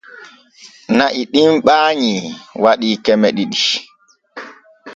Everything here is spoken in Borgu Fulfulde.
Na'i ɗim ɓaanyi waɗii keme ɗiɗi.